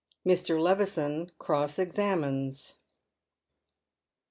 MR. LEVISON CROSS EXAMINES.